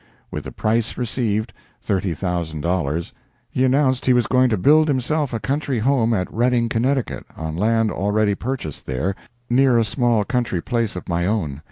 With the price received, thirty thousand dollars, he announced he was going to build himself a country home at Redding, Connecticut, on land already purchased there, near a small country place of my own.